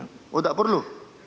oh tidak perlu